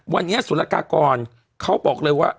วันนี้ศุลกากรเขาบอกเลยว่า